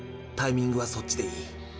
タイミングはそっちでいい。